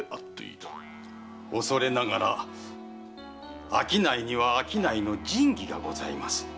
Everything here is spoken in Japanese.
恐れながら商いには商いの仁義がございます。